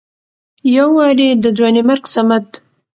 يو وارې د ځوانيمرګ صمد